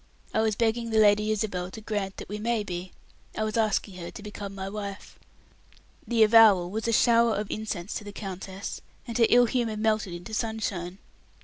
I was begging the Lady Isabel to grant that we may be; I was asking her to become my wife." The avowal was as a shower of incense to the countess, and her ill humor melted into sunshine.